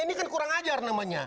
ini kan kurang ajar namanya